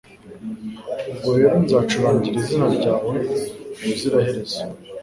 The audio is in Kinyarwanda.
Ubwo rero nzacurangira izina ryawe ubuziraherezo